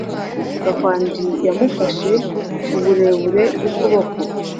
Gakwandi yamufashe uburebure bw'ukuboko